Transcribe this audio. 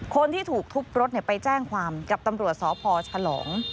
คนที่ถูกทุบรถไปแจ้งความกับตำรวจสพฉลอง